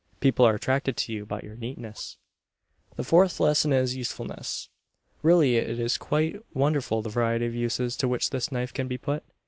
People are attracted to you by your neatness. The fourth lesson is Usefulness. Really it is quite wonderful the variety of uses to which this knife can be put.